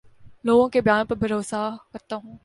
لوگوں کے بیان پر بھروسہ کرتا ہوں